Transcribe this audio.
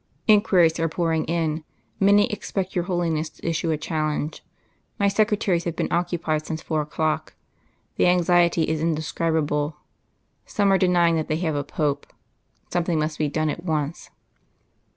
"'Inquiries are pouring in. Many expect your Holiness to issue a challenge. My secretaries have been occupied since four o'clock. The anxiety is indescribable. Some are denying that they have a Pope. Something must be done at once.